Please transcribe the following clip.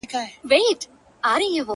د پاچا په زړه کي ځای یې وو نیولی-